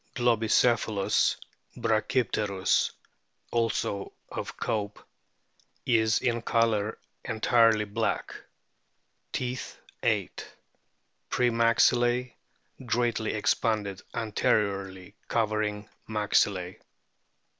Globicephalus brachypteriis, also of Cope,* is in colour entirely black. Teeth, 8. Pre maxillae greatly expanded anteriorly, covering maxillae.